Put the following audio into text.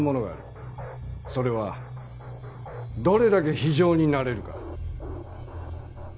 それはどれだけ非情になれるか。